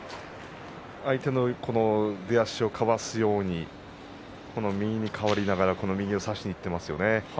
相手の出足をかわすように右に変わりながら右を差していっていますね。